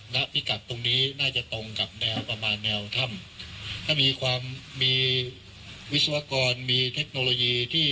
ณพิกัดตรงนี้น่าจะตรงกับแนวประมาณแนวถ้ำถ้ามีความมีวิศวกรมีเทคโนโลยีที่